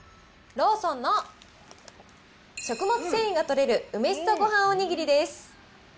ローソンの食物繊維が摂れる梅しそごはんおにぎりです。